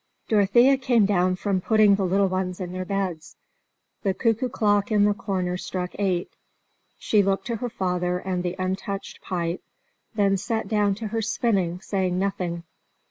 Dorothea came down from putting the little ones in their beds; the cuckoo clock in the corner struck eight; she looked to her father and the untouched pipe, then sat down to her spinning, saying nothing.